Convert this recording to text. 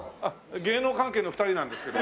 芸能関係の２人なんですけど。